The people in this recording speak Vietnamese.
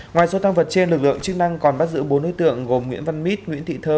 ngoài số tăng vật trên lực lượng chức năng còn bắt giữ bốn đối tượng gồm nguyễn văn mít nguyễn thị thơ